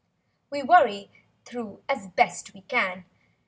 We worry through as best we can.